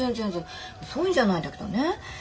そういうんじゃないんだけどね。